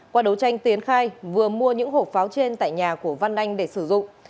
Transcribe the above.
qua đấu tranh tiến khai vừa mua những hộp pháo trên tại nhà của văn anh để sử dụng